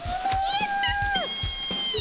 やったっピ！